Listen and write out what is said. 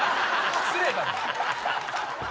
失礼だろ！